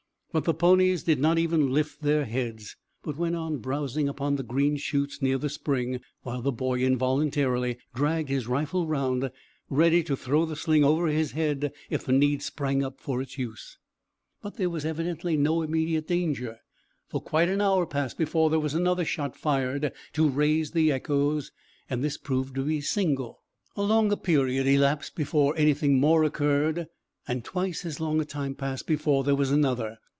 But the ponies did not even lift their heads, but went on browsing upon the green shoots near the spring, while the boy involuntarily dragged his rifle round, ready to throw the sling over his head if the need sprang up for its use. But there was evidently no immediate danger, for quite an hour passed before there was another shot fired to raise the echoes, and this proved to be single. A longer period elapsed before anything more occurred, and twice as long a time passed before there was another.